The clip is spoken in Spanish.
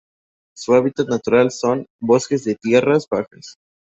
Su hábitat natural son: bosques de tierras bajas.